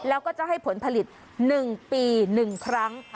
แล้วก็จะให้ผลผลิตหนึ่งปีหนึ่งครั้ง